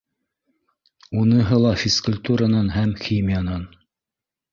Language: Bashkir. Уныһы ла физкультуранан һәм химиянан.